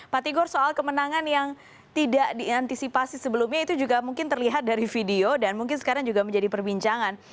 pak tigor soal kemenangan yang tidak diantisipasi sebelumnya itu juga mungkin terlihat dari video dan mungkin sekarang juga menjadi perbincangan